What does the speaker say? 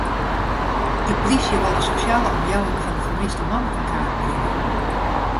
De plysje wol de sosjale omjouwing fan de fermiste man yn kaart bringe.